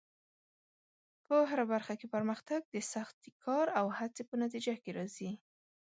په هره برخه کې پرمختګ د سختې کار او هڅې په نتیجه کې راځي.